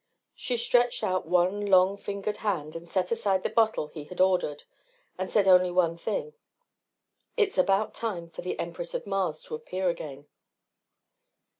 She stretched out one long fingered hand and set aside the bottle he had ordered and said only one thing, "It's about time for the Empress of Mars to appear again."